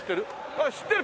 ああ知ってる！